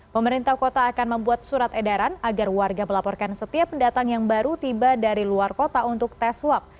pemerintah kota akan membuat surat edaran agar warga melaporkan setiap pendatang yang baru tiba dari luar kota untuk tes swab